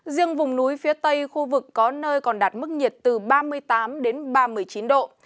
riêng vùng núi phía tây khu vực có nơi còn đạt mức nhiệt từ ba mươi tám đến ba mươi chín độ